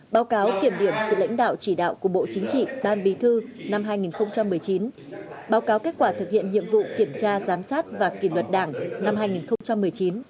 báo cáo kiểm điểm sự lãnh đạo chỉ đạo của bộ chính trị ban bí thư năm hai nghìn một mươi chín báo cáo kết quả thực hiện nhiệm vụ kiểm tra giám sát và kỷ luật đảng năm hai nghìn một mươi chín